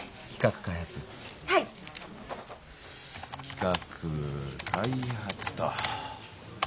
企画開発と。